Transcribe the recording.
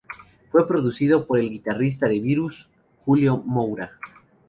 Fue producido por el guitarrista de Virus, Julio Moura.